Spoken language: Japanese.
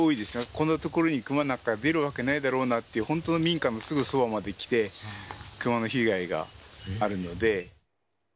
こんな所にクマなんか出るわけないだろうなんて、本当、民家のすぐそばまで来て、クマの被害があるので。